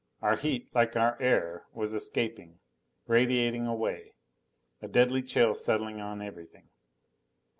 Our heat, like our air, was escaping, radiating away, a deadly chill settling on everything.